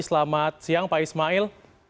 selamat siang pak ismail